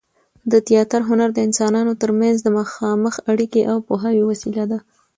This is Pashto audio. د تياتر هنر د انسانانو تر منځ د مخامخ اړیکې او پوهاوي وسیله ده.